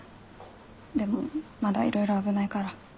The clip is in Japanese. でもまだいろいろ危ないから。